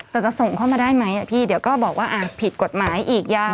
แต่จะส่งเข้ามาได้ไหมพี่เดี๋ยวก็บอกว่าผิดกฎหมายอีกยาว